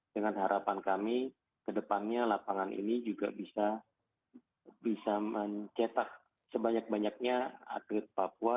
dengan harapan kami ke depannya lapangan ini juga bisa mencetak sebanyak banyaknya atlet papua